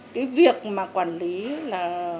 cái việc mà quản lý là